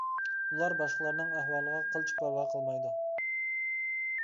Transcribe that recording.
ئۇلار باشقىلارنىڭ ئەھۋالىغا قىلچە پەرۋا قىلمايدۇ.